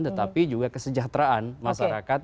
tetapi juga kesejahteraan masyarakat